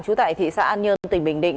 chú tại thị xã an nhơn tỉnh bình định